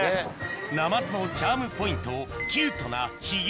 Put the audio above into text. ナマズのチャームポイントキュートなヒゲ